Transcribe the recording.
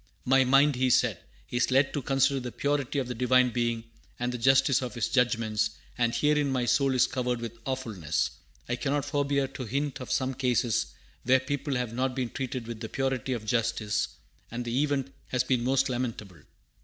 "My mind," he said, "is led to consider the purity of the Divine Being, and the justice of His judgments; and herein my soul is covered with awfulness. I cannot forbear to hint of some cases where people have not been treated with the purity of justice, and the event has been most lamentable.